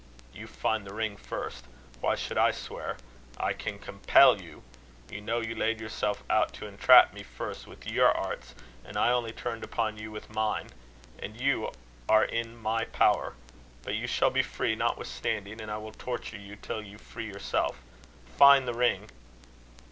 "You find the ring first. Why should I swear? I can compel you. You know you laid yourself out to entrap me first with your arts, and I only turned upon you with mine. And you are in my power. But you shall be free, notwithstanding; and I will torture you till you free yourself. Find the ring."